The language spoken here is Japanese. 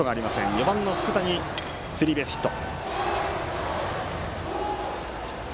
４番の福田にスリーベースヒット。